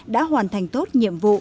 đã hoàn thành tốt nhiệm vụ